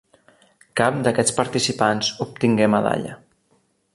Cap d'aquests participants obtingué medalla.